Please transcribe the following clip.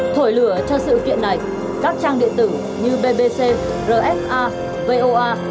thổi lửa cho sự kiện này các trang điện tử như bbc rfa voa